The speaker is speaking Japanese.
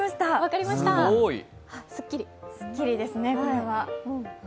すっきりですね、これは。